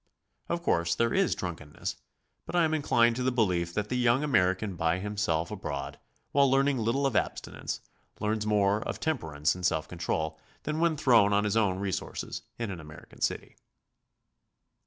Of course there is drunkenness, but I am inclined to the belief that the young American by himself abroad, while learning little of abstinence, learns more of temperance and self control than when thrown on his own resources in an American city.